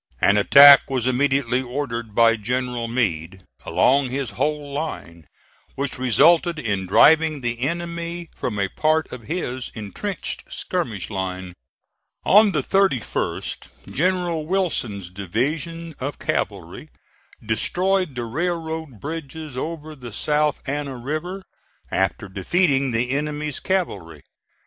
An attack was immediately ordered by General Meade, along his whole line, which resulted in driving the enemy from a part of his intrenched skirmish line. On the 31st, General Wilson's division of cavalry destroyed the railroad bridges over the South Anna River, after defeating the enemy's cavalry.